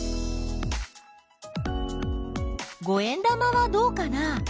五円玉はどうかな？